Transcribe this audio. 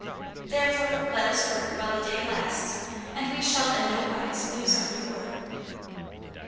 Therefore, let us work while the day lasts, and we shall in no wise lose our reward.